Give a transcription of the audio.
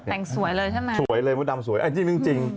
แต่งสวยเลยใช่ไหมสวยเลยมดดำสวยอันนี้จริง